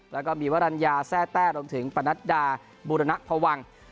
แล้วก็มีวรรณยาแซ่แต้รวมถึงปนัดดาบูรณพวัง